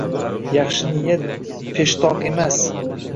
Yaxshi niyat peshtoq emas